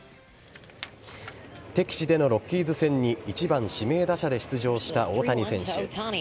敵地でのロッキーズ戦に１番指名打者で出場した大谷選手。